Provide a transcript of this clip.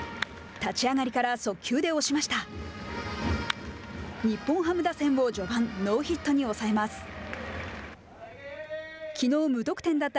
立ち上がりから速球で押しました。